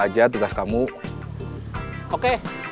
ya terus terus